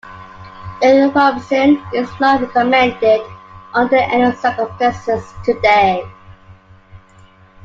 Erythromycin is not recommended under any circumstances today.